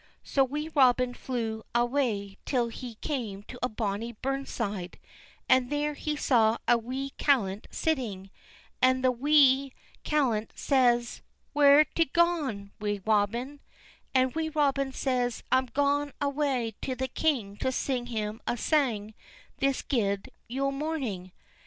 So Wee Robin flew awa' till he came to a bonny burn side, and there he saw a wee callant sitting. And the wee callant says: "Where's tu gaun, Wee Robin?" And Wee Robin says: "I'm gaun awa' to the king to sing him a sang this guid Yule morning."